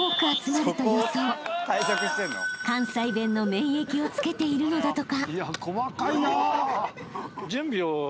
［関西弁の免疫をつけているのだとか］